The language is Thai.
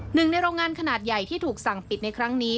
หนึ่งในโรงงานขนาดใหญ่ที่ถูกสั่งปิดในครั้งนี้